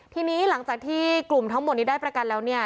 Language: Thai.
ทีนี้หลังจากที่กลุ่มทั้งหมดนี้ได้ประกันแล้วเนี่ย